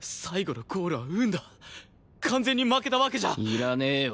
いらねえよ